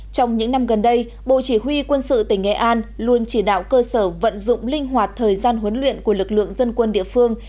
trong những năm gần đây bộ chỉ huy quân sự tỉnh nghệ an luôn chỉ đạo cơ sở vận dụng linh hoạt thời gian huấn luyện của lực lượng dân quân địa phương